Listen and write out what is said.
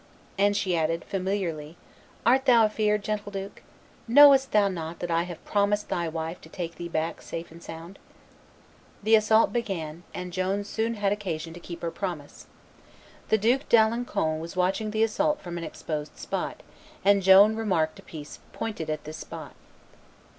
And she added, familiarly, "Art thou afeard, gentle duke? Knowest thou not that I have promised thy wife to take thee back safe and sound?" The assault began; and Joan soon had occasion to keep her promise. The Duke d'Alencon was watching the assault from an exposed spot, and Joan remarked a piece pointed at this spot.